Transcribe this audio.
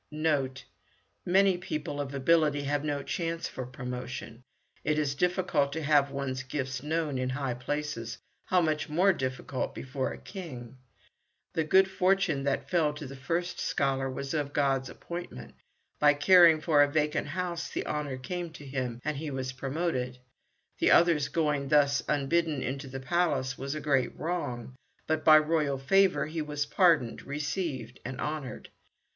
Note. Many people of ability have no chance for promotion. It is difficult to have one's gifts known in high places; how much more difficult before a king? The good fortune that fell to the first scholar was of God's appointment. By caring for a vacant house the honour came to him, and he was promoted. The other's going thus unbidden into the Palace was a great wrong, but by royal favour he was pardoned, received and honoured.